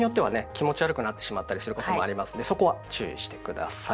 気持ち悪くなってしまったりすることもありますのでそこは注意して下さい。